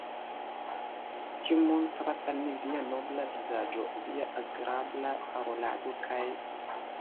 Tion montras al mi via nobla vizaĝo, via agrabla parolado kaj.